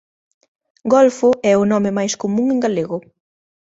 Golfo é o nome máis común en galego.